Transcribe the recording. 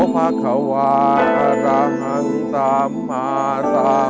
โปรดติดตามต่อไป